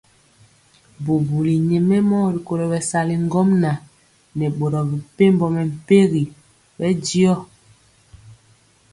Bubuli nyɛmemɔ rikolo bɛsali ŋgomnaŋ nɛ boro mepempɔ mɛmpegi bɛndiɔ.